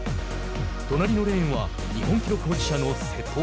隣のレーンは日本記録保持者の瀬戸。